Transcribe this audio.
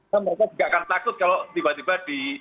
kan mereka juga akan takut kalau tiba tiba di